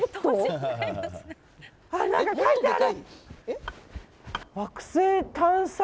何か書いてある！